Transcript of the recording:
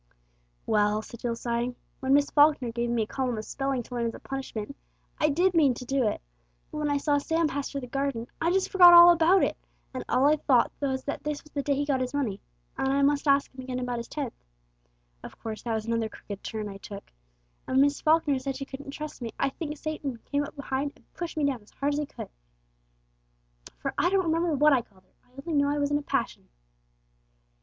"Well," said Jill, sighing; "when Miss Falkner gave me a column of spelling to learn as a punishment, I did mean to do it; but when I saw Sam pass through the garden, I just forgot all about it, and all I thought was that this was the day he got his money, and I must ask him again about his tenth of course that was another crooked turn I took; and when Miss Falkner said she couldn't trust me I think Satan came up behind and pushed me down as hard as he could. For I don't remember what I called her! I only know I was in a passion."